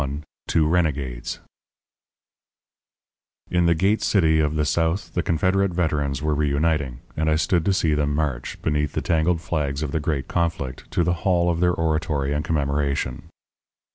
XXI TWO RENEGADES In the Gate City of the South the Confederate Veterans were reuniting; and I stood to see them march, beneath the tangled flags of the great conflict, to the hall of their oratory and commemoration.